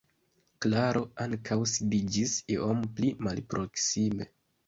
Klaro ankaŭ sidiĝis iom pli malproksime.